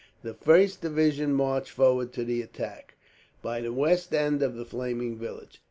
The first division marched forward to the attack, by the west end of the flaming village.